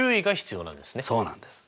そうなんです。